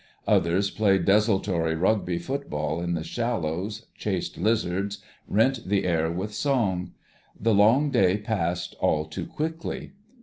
Others played desultory Rugby football in the shallows, chased lizards, rent the air with song. The long day passed all too quickly.